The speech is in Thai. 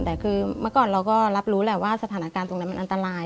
แต่คือเมื่อก่อนเราก็รับรู้แหละว่าสถานการณ์ตรงนั้นมันอันตราย